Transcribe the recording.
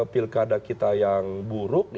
pilkada kita yang buruk